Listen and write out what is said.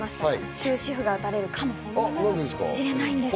終止符が打たれるかもしれないんです。